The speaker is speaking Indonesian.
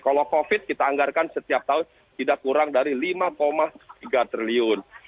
kalau covid kita anggarkan setiap tahun tidak kurang dari rp lima tiga triliun